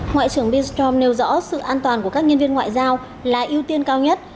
ngoại trưởng binstrom nêu rõ sự an toàn của các nhân viên ngoại giao là ưu tiên cao nhất